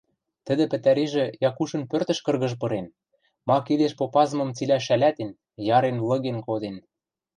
тӹдӹ пӹтӓрижӹ Якушын пӧртӹш кыргыж пырен, ма кидеш попазымым цилӓ шӓлӓтен, ярен-лыген коден.